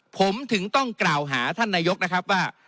ผมถึงต้องกล่าวหาท่านนายกนะครับว่า